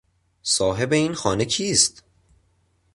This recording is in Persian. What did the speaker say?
صاحب این خانه کیست؟